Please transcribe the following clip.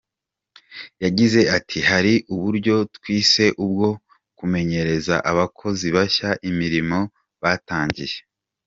Yagize ati “Hari uburyo twise ubwo kumenyereza abakozi bashya imirimo batangiye.